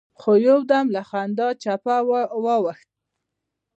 خو يودم له خندا چپه واوښت.